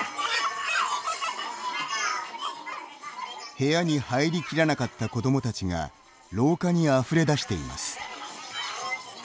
部屋に入りきらなかった子どもたちが廊下にあふれ出しています。